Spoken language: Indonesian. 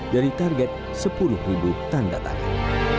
dari target sepuluh ribu tanda tangan